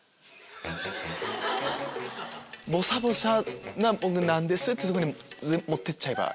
「ボサボサな僕なんです」ってとこに持ってっちゃえば。